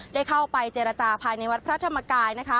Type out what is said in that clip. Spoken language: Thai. ได้เข้าไปเจรจาภายในวัดพระธรรมกาย